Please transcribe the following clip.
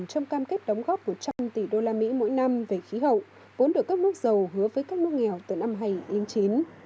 cam kết đóng góp một trăm linh tỷ đô la mỹ mỗi năm về khí hậu vốn được các nước giàu hứa với các nước nghèo từ năm hầy yên chín